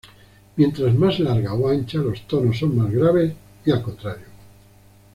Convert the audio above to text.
Mientras más larga o ancha, los tonos son más graves, y al contrario.